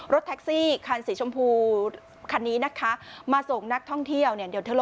รถแท็คซี่คันสีชมพูคันนี้มาส่งนักท่องเที่ยว